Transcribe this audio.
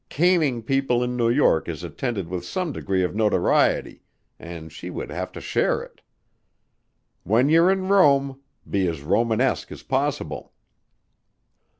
Caning people in New York is attended with some degree of notoriety and she would have to share it. When you're in Rome, be as Romanesque as possible."